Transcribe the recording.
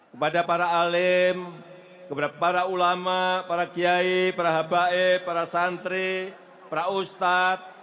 kepada para alim kepada para ulama para kiai para habaib para santri para ustadz